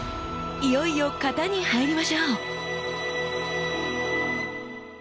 いよいよ型に入りましょう！